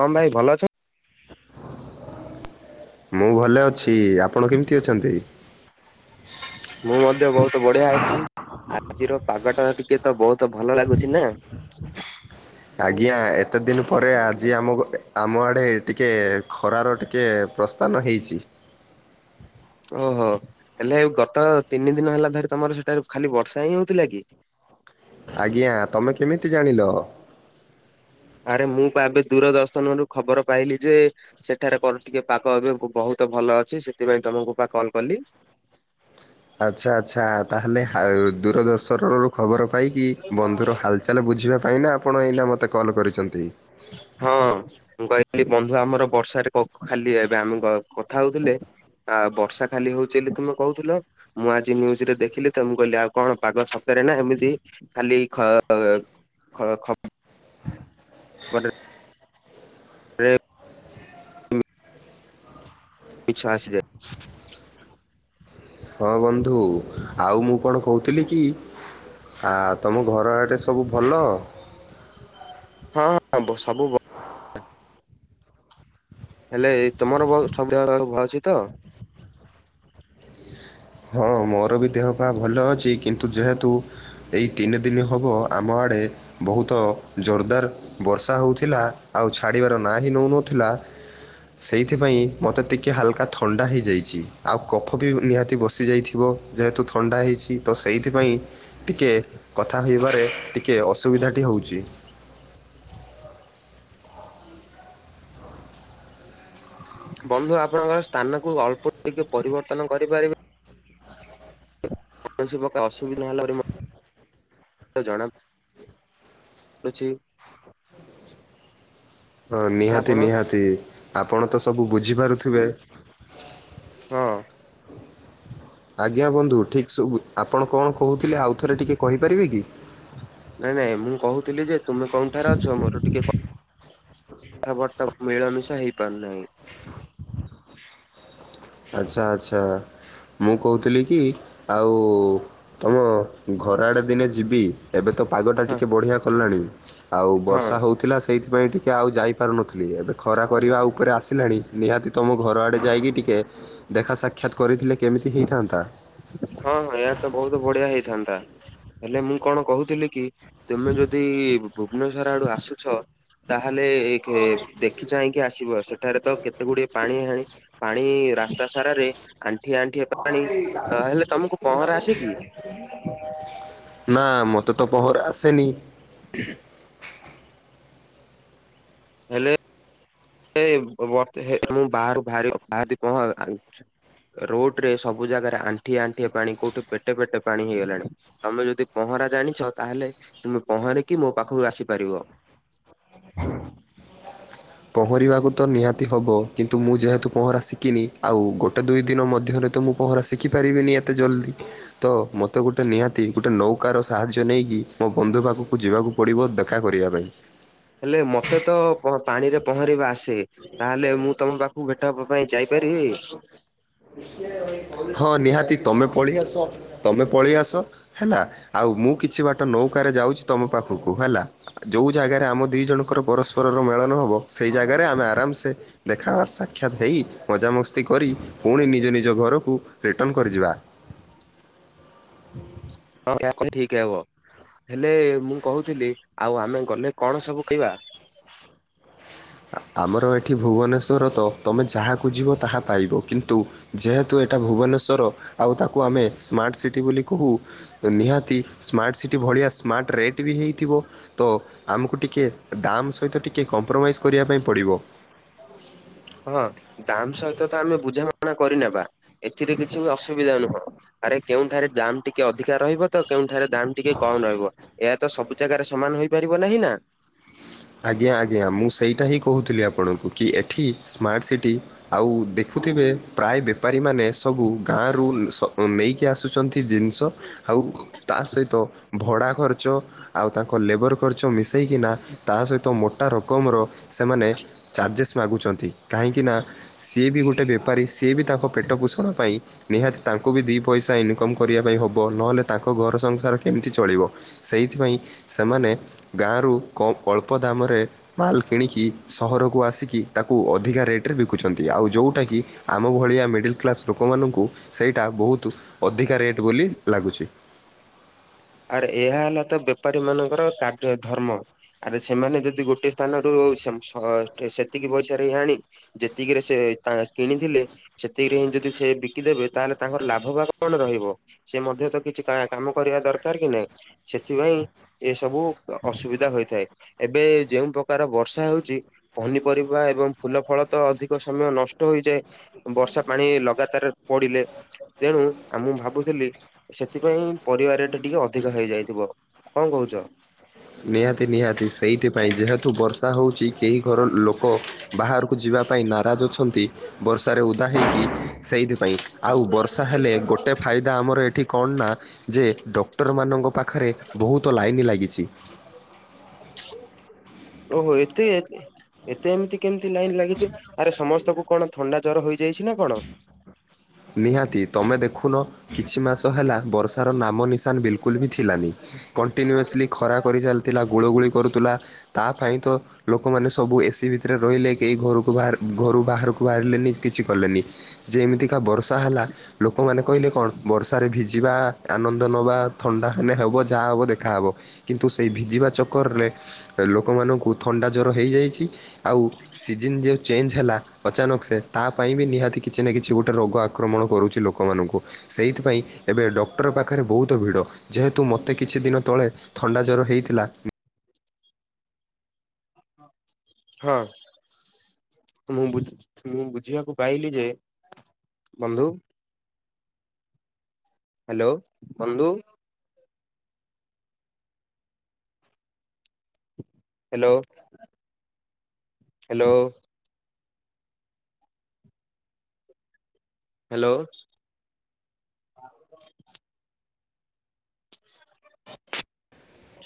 ହଁ ଭାଇ ଭଲ ଅଛ? ମୁଁ ଭଲେ ଅଛି, ଆପଣ କେମ୍ତି ଅଛନ୍ତି? ମୁଁ ମଧ୍ୟ ବହୁତୁ ବଢିଆ ଅଛି। ଆଜିର ପାଗଟା ଟିକେ ତ ବହୁତ ଭଲ ଲାଗୁଛି ନା? ଆଜ୍ଞା, ଏତେ ଦିନ୍ ପରେ ଆଜି ଆମ-ଆମ ଆଡ଼େ ଟିକେ ଖରାର ଟିକେ ପ୍ରସ୍ଥାନ ହେଇଚି। ଓହୋ, ହେଲେ ଆଉ ଗତ ତିନି ଦିନ ହେଲା ଧରି ତମର ସେଠାରୁ ଖାଲି ବର୍ଷା ହିଁ ହଉଥିଲା କି? ଆଜ୍ଞା, ତମେ କେମିତି ଜାଣିଲ? ଆରେ ମୁଁ ବା ଏବେ ଦୂରଦର୍ଶନରୁ ଖବର ପାଇଲି ଯେ ସେଠାରେ [unintelligible] ଟିକେ ପାଗ ଏବେ ବହୁତ ଭଲ ଅଛି, ସେଥିପାଇଁ ତମକୁ ବା କଲ୍ କଲି। ଆଚ୍ଛା-ଆଚ୍ଛା, ଆଉ ତାହେଲେ ଦୂରଦର୍ଶନରୁ ଖବର ପାଇକି ବନ୍ଧୁର ହାଲଚାଲ୍ ବୁଝିବା ପାଇଁ ନା ଆପଣ ଏଇନା ମୋତେ କଲ୍ କରିଚନ୍ତି। ହଁ ମୁଁ କହିଲି ବନ୍ଧୁ ଆମର ବର୍ଷାରେ ଖାଲି ଏବେ ଆମେ କଥା ହଉଥିଲେ ଆ ବର୍ଷା ଖାଲି ହଉଚି ବେଲି ତୁମେ କହୁଥିଲ। ମୁଁ ଆଜି ନ୍ୟୁଜ୍ ରେ ଦେଖିଲି ତ ମୁଁ କହିଲି ଆଉ କଣ ପାଗ ସତେରେ ନା ଏମିତି ଖାଲି ଖ-ଖ [unintelligible] [inaudible] [inaudible] ହଁ ବନ୍ଧୁ, ଆଉ ମୁଁ କଣ କହୁଥିଲି କି ଆ ତମ ଘର ଆଡ଼େ ସବୁ ଭଲ? ହଁ-ହଁ ସବୁ ଭ ହେଲେ ତମର [inaudible] ଭଲ ଅଛି ତ? ହଁ ମୋର ବି ଦେହ ପା ଭଲ ଅଛି, କିନ୍ତୁ ଯେହେତୁ ଏଇ ତିନି ଦିନି ହବ ଆମ ଆଡେ ବହୁତ ଜୋରଦାର୍ ବର୍ଷା ହେଉଥିଲା, ଆଉ ଛାଡ଼ିବାର ନାଁ ହିଁ ନଉନଥିଲା ସେଇଥିପାଇଁ ମତେ ଟିକେ ହାଲକା ଥଣ୍ଡା ହେଇଯାଇଚି, ଆଉ କଫ ବି ନିହା ତି ବସିଯାଇଥିବ, ଯେହେତୁ ଥଣ୍ଡା ହେଇଛି ତ ସେଇଥିପାଉଁ ଟିକେ କଥା କହିବାରେ ଟିକେ ଅସୁବିଧାଟି ହେଉଚି। ବନ୍ଧୁ ଆପଣଙ୍କ ସ୍ଥାନକୁ ଅଳ୍ପ ଟିକେ ପରିବର୍ତ୍ତନ କରିପାରିବ? କୌଣସି ପ୍ରକାର ଅସୁବିଧା ହେଲା ପରେ, ଜଣା ଅଛିି। ହଁ ନିହାତି ନିହାତି, ଆପଣ ତ ସବୁ ବୁଝିପାରୁଥିବେ? ହଁ। ଆଜ୍ଞା ବନ୍ଧୁ, ଠିକ୍ ସବୁ, ଆପଣ କଣ କହୁଥିଲେ ଆଉ ଥରେ ଟିକେ କହିପାରିବେ କି? ନାଇଁ ନାଇଁ ମୁଁ କହୁଥିଲି ଯେ, ତୁମେ କୋଉଠାରେ ଅଛ? ମୋର ଟିକେ କ କଥାବାର୍ତ୍ତା ମିଳମିଶା ହେଇପାରୁନାହିଁ। ଆଛା ଆଛା, ମୁଁ କହୁଥିଲି କି ଆଉ ତମ ଘର ଆଡ଼େ ଦିନେ ଯିବି, ଏବେ ତ ପାଗଟା ହଁ ଟିକିଏ ବଢ଼ିଆ କଲାଣି, ଆଉ ହଁ ବର୍ଷା ହେଉଥିଲା ସେଇଥିପାଇଁ ଟିକେ ଟିକେ ଆଉ ଯାଇପାରୁନଥିଲି, ଏବେ ଖରା କରିବା ଉପରେ ଆସିଲାଣି, ନିହାତି ତମ ଘର ଆଡ଼େ ଯାଇକି ଟିକେ ଦେଖା ସାକ୍ଷାତ କରିଥିଲେ, କେମିତି ହେଇଥାନ୍ତା? ହଁ ହଁ, ଏହାୟ ତ ବହୁତ ବଢିଆ ହେଇଥାନ୍ତା, ହେଲେ ମୁଁ କଣ କହୁଥିଲି କି ତମେ ଯଦି ଭୁବନେଶ୍ଵର ଆଡୁ ଆସୁଛ, ତାହେଲେ ଏକେ ଦେଖ ଦେଖି ଚାହିଁକି ଆସିବ, ସେଠାରେ ତ କେତେ ଗୁଡିଏ ପାଣି ହେଣି, ପାଣି ରାସ୍ତା ସାରାରେ ଆଣ୍ଠିଏ ଆଣ୍ଠିଏ ପାଣି। ଅ, ହେଲେ ତମକୁ ପହଁରା ଆସେ କିି? ନା, ମତେ ତ ପହଁରା ଆସେନି। ହେଲେ ଏ ବେ ମୁଁ ବାହାରୁ ବାହାରି ବାହାରି କଣ ଆଛି ରୋଡ ରେ ସବୁ ଜାଗାରେ ଆଣ୍ଠିଏ ଆଣ୍ଠିଏ ପାଣି, କୋଉଠି ପେଟେ ପେଟେ ପାଣି ହେଇଗଲାଣି। ତମେ ଯଦି ପହଁରା ଜାଣିଛ, ତାହେଲେ ତୁମେ ପହଁରିକି ମୋ ପାଖକୁ ଆସିପାରିବ। [unintelligible] ପହଁରିବାକୁ ତ ନିହାତି ହେବ କିନ୍ତୁ ମୁଁ ଯେହେତୁ ପହଁରା ଶିଖିନି, ଆଉ ଗୋଟେ ଦୁଇ ଦିନ ମଧ୍ୟରେ ତ ମୁଁ ପହଁରା ଶିଖିପାରିବିନି ଏତେ ଜଲ୍ଦି। ତ ମୋତେ ଗୋଟେ ନିହାତି, ଗୋଟେ ନୌକାର ସାହାଯ୍ୟ ନେଇକି, ମୋ ବନ୍ଧୁ ପାଖକୁ ଯିବାକୁ ପଡ଼ିବ, ଦେଖା କରିବା ପାଇଁ। ହେଲେ ମତେ ତ ପାଣିରେ ପହଁରିବା ଆସେ। ତାହେଲେ ମୁଁ ତମ ପାଖକୁ ଭେଟ ହବା ପାଇଁ ଯାଇପାରିବି। ହଁ ନିହାତି, ତମେ ପଳେଇ ଆସ, ତମେ ପଳେଇ ଆସ। ହେଲା, ଆଉ ମୁଁ କିଛି ବାଟ ନୌକାରେ ଯାଉଚି ତମ ପାଖକୁ ହେଲା। ଯୋଉ ଜାଗାରେ ଆମ ଦୁଇ ଜଣଙ୍କର ପରସ୍ପରର ମେଳନ ହେବ, ସେହି ଜାଗାରେ ଆମେ ଆରାମସେ ଦେଖବାର୍ ସାକ୍ଷାତ ହେଇ, ମଜାମସ୍ତି କରି, ପୁଣି ନିଜ ନିଜ ଘରକୁ ରିଟର୍ଣ୍ଣ କରିଯିବା। ହଁ, ଏହା କଲେ ଠିକ ହବ, ହେଲେ ମୁଁ କହୁଥିଲି ଆଉ ଆମେ ଗଲେ କଣ ସବୁ ଖାଇବା? ଆମର ଏଠି ଭୁବନେଶ୍ୱର ତ, ତମେ ଯାହା ଖୋଜିବ ତାହା ପାଇବ କିନ୍ତୁ ଯେହେତୁ ଏଇଟା ଭୁବନେଶ୍ୱର, ଆଉ ତାକୁ ଆମେ ସ୍ମାର୍ଟ ସିଟି ବୋଲି କହୁ, ନିହାତି ସ୍ମାର୍ଟ ସିଟି ଭଳିଆ, ସ୍ମାର୍ଟ ରେଟ୍ ବି ହେଇଥିବ, ତ ଆମକୁ ଟିକେ ଦାମ୍ ସହିତ ଟିକେ କମ୍ପ୍ରମାଇଜ୍ କରିବା ପାଇଁ ପଡ଼ିବ ହଁ, ଦାମ ସହିତ ତ ଆମେ ବୁଝାମଣା କରିନେବା। ଏଥିରେ କିଛି ବି ଅସୁବିଧା ନୁହଁ, ଆରେ କେଉଁଠାରେ ଦାମ ଟିକେ ଅଧିକା ରହିବ ତ, କେଉଁଠାରେ ଦାମ ଟିକେ କମ ରହିବ, ଏହା ତ ସବୁ ଜାଗାରେ ସମାନ ହେଇପାରିବ ନାହିଁ ନା? ଆଜ୍ଞା ଆଜ୍ଞା, ମୁଁ ସେଇଟା ହିଁ କହୁଥିଲି ଆପଣଙ୍କୁ, କି ଏଠି ସ୍ମାର୍ଟ ସିଟି ଆଉ ଦେଖୁଥିବେ, ପ୍ରାୟ ବେପାରୀମାନେ ସବୁ ଗାଁରୁ ସ ନେଇକି ଆସୁଚନ୍ତି ଜିନିଷ, ଆଉ ତା ସହିତ ଭଡ଼ା ଖର୍ଚ୍ଚ ଆଉ ତାଙ୍କ ଲେବର ଖର୍ଚ୍ଚ ମିଶାଇକିନା, ତା ସହିତ ମୋଟା ରକମର ସେମାନେ ଚାର୍ଜେସ୍ ମାଗୁଚନ୍ତି, କାହିଁକି ନା, ସିଏ ବି ଗୋଟେ ବେପାରୀ, ସିଏ ବି ତାଙ୍କ ପେଟ ପୋଷଣ ପାଇଁ ନିହାତି ତାଙ୍କୁ ବି ଦି ପଇସା ଇନକମ୍ କରିବା ପାଇଁ ହବ। ନହେଲେ ତାଙ୍କ ଘର ସଂସାର କେମିତି ଚଳିବ ସେଇଥିପାଇଁ ସେମାନେ ଗାଁରୁ କମ୍ ଅଳ୍ପ ଦାମରେ। ମାଲ୍ କିଣିକି ସହରକୁ ଆସିକି ତାକୁ ଅଧିକା ରେଟ୍ ରେ ବିକୁଛନ୍ତି ଆଉ ଯୋଉଟାକି ଆମ ଭଳିଆ ମିଡିଲ୍ କ୍ଲାସ୍ ଲୋକମାନଙ୍କୁ ସେଇଟା ବହୁତ ଅଧିକା ରେଟ୍ ବୋଲି ଲାଗୁଛି। ଆର୍ ଏହା ହେଲା ତ ବେପାରୀ ମାନଙ୍କର କାର୍ଯ୍ୟ ଧର୍ମ। ଆରେ ସେମାନେ ଯଦି ଗୋଟେ ସ୍ଥାନରୁ ସେତିକି ପଇସା ରେ ଆଣି ଯେତିକିରେ ସେ ତା କିଣିଥିଲେ। ସେତିକିରେ ହିଁ ଯଦି ସେ ବିକିଦେବେ ତାହେଲେ ତାଙ୍କର ଲାଭବା କଣ ରହିବ। ସେ ମଧ୍ୟ ତ କିଛି କାମ କରିବା ଦରକାର କି ନହିଁ। ସେଥିପାଇଁ ଏସବୁ ଅସୁବିଧା ହୋଇଥାଏ ଏବେ ଯୋଉ ପ୍ରକାର ବର୍ଷା ହଉଚି। ପନିପରିବା ଏବଂ ଫୁଲ ଫଳ ତ ଅଧିକ ସମୟ ନଷ୍ଟ ହୋଇଯାଏ। ବର୍ଷା ପାଣି ଲଗାତାର ପଡିଲେ ତେଣୁ ମୁଁ ଭାବୁଥିଲି ସେଥିପାଇଁ ପରିବାରେ ଟିକେ ଅଧିକ ହେଇଯାଇଥିବ କଣ କହୁଛ? ନିହାତି ନିହାତି ସେଇଥିପାଇଁ ଯେହେତୁ ବର୍ଷା ହୋଉଛି କେହି ଘର ଲୋକ ବାହାରକୁ ଯିବା ପାଇଁ ନାରାଜ ଅଛନ୍ତି ବର୍ଷା ରେ ଓଦା ହେଇକି ସେଇଥି ପାଇଁ ଆଉ ବର୍ ତାହେଲେ ଗୋଟେ ଫାଇଦା ଆମର ଏଠି କଣ ନା ଯେ ଡକ୍ଟରମାନଙ୍କ ପାଖରେ ବହୁତ ଲାଇନ୍ ଲାଗିଚି ‌। ଓହୋ ଏତେ ଏତେ ଏମିତି କେମିତି ଲାଇନ୍ ଲାଗିଛି? ଆରେ ସମସ୍ତଙ୍କୁ କଣ ଥଣ୍ଡା ଜ୍ୱର ହୋଇଯାଇଛି ନା କଣ? ନିହାତି ତମେ ଦେଖୁନ। କିଛି ମାସ ହେଲା ବର୍ଷାର ନାମ ନିଶାନ ବିଲ୍ କୁଲ୍ ବି ଥିଲାନି। କଣ୍ଟିନ୍ୟୁସ୍ଲି ଖରା କରିଚାଲ୍ ଥିଲା ଗୋଳ ଗୋଳି କରୁଥିଲା ତା ପାଇଁ ତ ଲୋକମାନେ ସବୁ ଏସି ବି ତିରେ ରହିଲେ କେହି ଘରକୁ ବାହାର ଘରୁ ବାହାରକୁ ବାହାରିଲେନି କିଛି କଲେନି। ଯେ ଏମିତିକା ବର୍ଷା ହେଲା ଲୋକମାନେ କହିଲେ କଣ ବର୍ଷାରେ ଭି ଜିବା ଆନନ୍ଦ ନବା ଥଣ୍ଡା ହେନେ ହେବ ଯାହା ହବ ଦେଖାହବ କିନ୍ତୁ ଏଇ ଭିଜିବା ଚକରରେ ଲୋକମାନଙ୍କୁ ଥଣ୍ଡା ଜ୍ଵର ହେଇଯାଇଚି। ଆଉ ସିଜନ୍ ଯୋଉ ଚେଞ୍ଜ ହେଲା ଅଚାନକ ସେ ତା ପାଇଁ ବି ନିହାତି କିଛି ନା କିଛି ଗୋଟେ ରୋଗ ଆକ୍ରମଣ କରୁଚି ଲୋକମାନଙ୍କୁ। ସେଇଥିପାଇଁ ଏବେ ଡକ୍ଟର ପାଖରେ ବହୁତ ଭିଡ ଯେହେ ତୁ ମୋତେ କିଛି ଦିନ ତଳେ ଥଣ୍ଡା ଜ୍ଵର ହେଇଥିଲା। ହଁ। ମୁଁ ମୁଁ ବୁଝିବାକୁ ପାଇଲି ଯେ ବନ୍ଧୁ ହ୍ୟାଲୋ ବନ୍ଧୁ। Hello hello. ହାଲୋ।